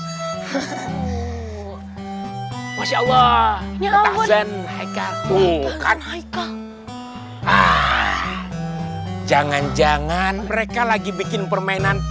hai hehehe wasya allah nyamper naik kartu kan ha ha jangan jangan mereka lagi bikin permainan